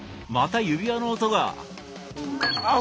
また指輪の音が。